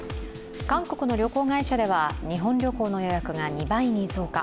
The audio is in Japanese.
韓国の旅行会社では日本旅行の予約が２倍に増加。